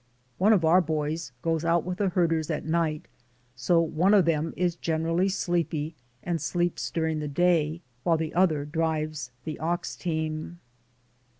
One of our boys goes out with the herders at night, so one of them is generally sleepy, and sleeps during the day, while the other drives the ox team.